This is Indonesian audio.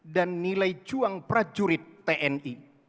dan nilai cuang prajurit tni